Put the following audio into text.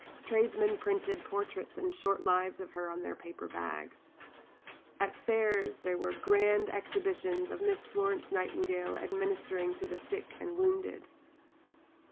Tradesmen printed portraits and short lives of her on their paper bags. At Fairs there were "Grand Exhibitions of Miss Florence Nightingale administering to the Sick and Wounded."